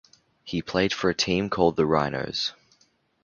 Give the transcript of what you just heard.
They played for a team called The Rhinos.